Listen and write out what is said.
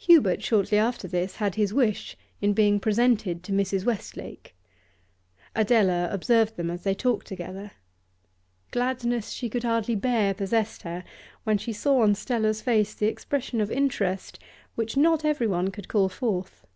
Hubert shortly after had his wish in being presented to Mrs. Westlake. Adela observed them as they talked together. Gladness she could hardly bear possessed her when she saw on Stella's face the expression of interest which not everyone could call forth.